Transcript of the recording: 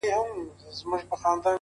هر څه چي راپېښ ســولـــــه _